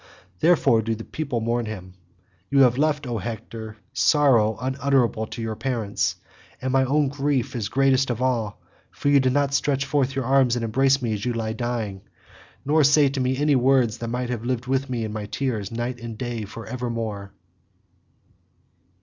Therefore do the people mourn him. You have left, O Hector, sorrow unutterable to your parents, and my own grief is greatest of all, for you did not stretch forth your arms and embrace me as you lay dying, nor say to me any words that might have lived with me in my tears night and day for evermore."